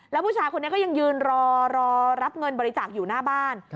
แล้วผู้ชายคนนี้ก็ยังยืนรอรอรับเงินบริจาคอยู่หน้าบ้าน